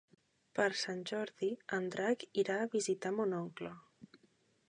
Per Sant Jordi en Drac irà a visitar mon oncle.